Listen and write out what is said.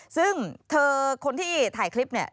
ซึ่งเธอคนที่ถ่ายคลิปเนี่ย